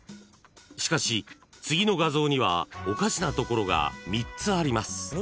［しかし次の画像にはおかしなところが３つあります］